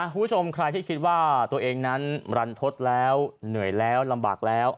คุณผู้ชมใครที่คิดว่าตัวเองนั้นรันทศแล้วเหนื่อยแล้วลำบากแล้ว